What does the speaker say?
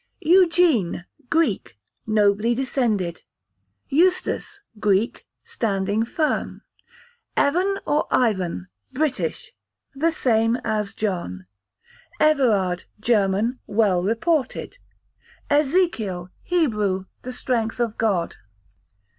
Eugene, Greek, nobly descended. Eustace, Greek, standing firm. Evan, or Ivan, British, the same as John. Everard, German, well reported. Ezekiel, Hebrew, the strength of God.